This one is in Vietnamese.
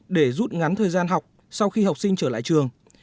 để rút ngắn thời gian học sau khi học sinh trở lại trường